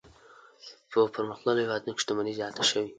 په پرمختللو هېوادونو کې شتمني زیاته شوې.